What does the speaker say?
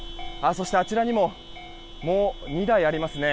あちらにももう２台ありますね。